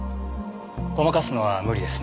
ごまかすのは無理ですね。